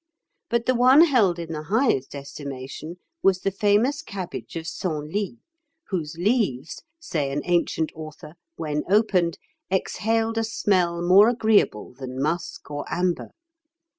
but the one held in the highest estimation was the famous cabbage of Senlis, whose leaves, says an ancient author, when opened, exhaled a smell more agreeable than musk or amber.